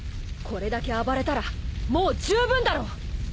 これだけ暴れたらもう十分だろ。